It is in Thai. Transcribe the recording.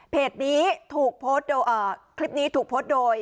นี้ถูกโพสต์โดยคลิปนี้ถูกโพสต์โดย